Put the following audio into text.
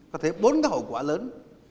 có thể bốn cái hậu quả lớn